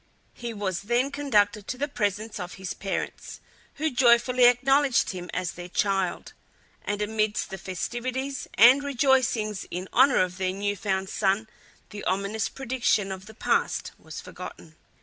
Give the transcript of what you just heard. He was then conducted to the presence of his parents, who joyfully acknowledged him as their child; and amidst the festivities and rejoicings in honour of their new found son the ominous prediction of the past was forgotten.